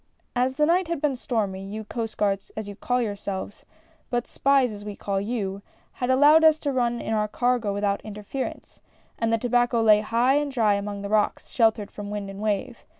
As the night had been stormy, you Coast Guards as you call yourselves — but spies as we call you — had allowed us to run in our cargo without interference, and the tobacco lay high and dry among the rocks, sheltered from wind and wave.